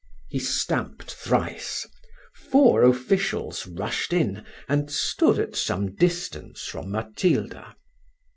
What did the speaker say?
He stamped thrice four officials rushed in, and stood at some distance from Matilda.